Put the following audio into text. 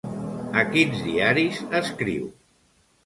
A quins diaris escriu?